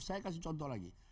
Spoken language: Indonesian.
saya kasih contoh lagi